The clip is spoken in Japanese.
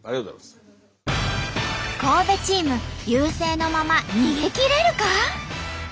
神戸チーム優勢のまま逃げ切れるか？